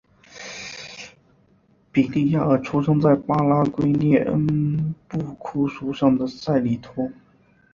比利亚尔出生在巴拉圭涅恩布库省的塞里托。